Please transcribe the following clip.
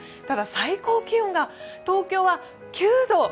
ただ、最高気温が東京は９度。